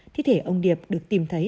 thiết thể ông điệp được tìm thấy